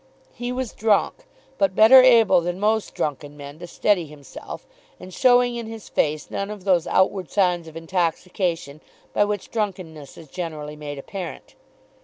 He was drunk, but better able than most drunken men to steady himself, and showing in his face none of those outward signs of intoxication by which drunkenness is generally made apparent.